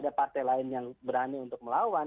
ada partai lain yang berani untuk melawan